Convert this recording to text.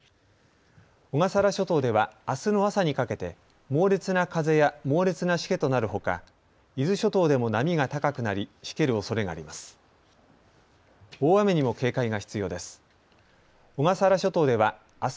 小笠原諸島ではあすの朝にかけて猛烈な風や猛烈なしけとなるほか伊豆諸島でも波が高くなりしけるおそれがあります。